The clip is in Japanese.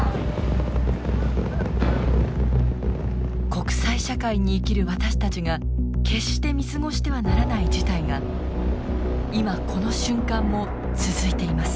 国際社会に生きる私たちが決して見過ごしてはならない事態が今この瞬間も続いています。